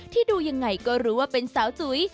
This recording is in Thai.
ที่ดูอย่างไรก็รู้ว่าเป็นสาวจุย